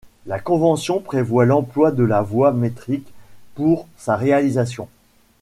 La convention prévoit l'emploi de la voie métrique pour sa réalisation.